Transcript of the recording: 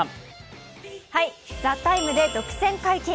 「ＴＨＥＴＩＭＥ，」で独占解禁